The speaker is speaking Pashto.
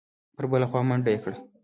پر بله خوا منډه یې کړه.